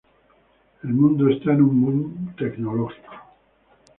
El mundo esta en un boom tecnológico.